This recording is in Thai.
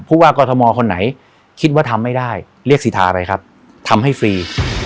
ผู้ว่ากอทมคนไหนคิดว่าทำไม่ได้เรียกสิทธาไปครับทำให้ฟรี